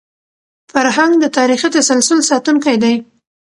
فرهنګ د تاریخي تسلسل ساتونکی دی.